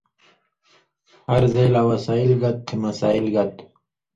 ہر زئ لا وسائل گت تھی مسائل گت۔